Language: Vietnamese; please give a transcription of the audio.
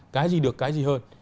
cái gì được cái gì hơn